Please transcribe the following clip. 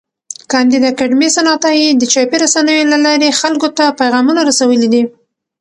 کانديد اکاډميسن عطایي د چاپي رسنیو له لارې خلکو ته پیغامونه رسولي دي.